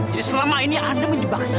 jadi selama ini anda menjebak saya